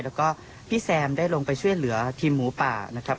แล้วก็พี่แซมได้ลงไปช่วยเหลือทีมหมูป่านะครับ